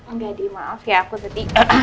enggak di maaf ya aku sedih